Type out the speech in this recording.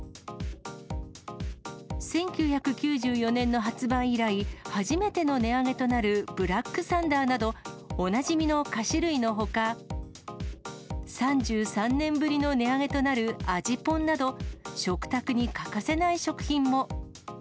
１９９４年の発売以来、初めての値上げとなるブラックサンダーなど、おなじみの菓子類のほか、３３年ぶりの値上げとなる味ぽんなど、食卓に欠かせない食品も。